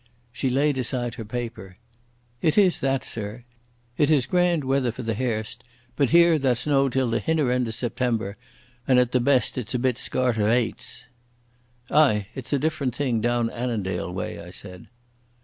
She laid aside her paper. "It is that, sir. It is grand weather for the hairst, but here that's no till the hinner end o' September, and at the best it's a bit scart o' aits." "Ay. It's a different thing down Annandale way," I said.